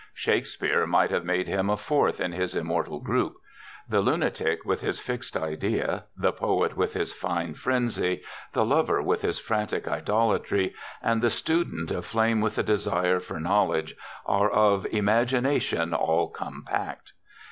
Shakespeare might have made him a fourth in his immortal group. The lunatic with his fixed idea, the poet with his fine frenzy, the lover with his frantic idolatry, and the student aflame with the desire for knowledge are of "imagination all compact."